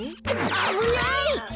あぶない！